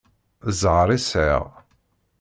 Ẓẓher i sɛiɣ.